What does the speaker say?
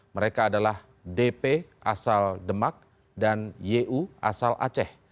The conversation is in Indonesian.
mereka adalah dp asal demak dan yu asal aceh